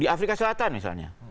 di afrika selatan misalnya